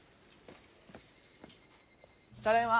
ただいま。